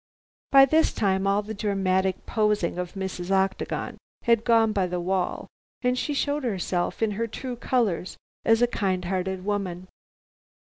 By this time all the dramatic posing of Mrs. Octagon had gone by the wall, and she showed herself in her true colors as a kind hearted woman.